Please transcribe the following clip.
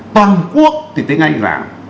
toàn quốc thì tiếng anh giảm